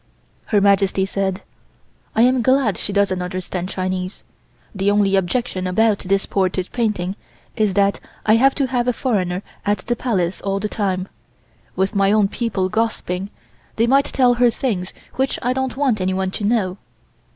Her Majesty said: "I am glad she doesn't understand Chinese. The only objection about this portrait painting is that I have to have a foreigner at the Palace all the time. With my own people gossiping they might tell her things which I don't want anyone to know."